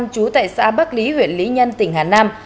chú tại xã bắc lý huyện lý nhân tỉnh hà nam